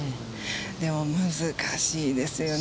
でも、難しいですよね。